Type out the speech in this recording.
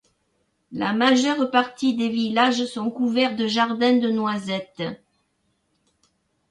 La majeure partie des villages sont couverts de jardins de noisettes.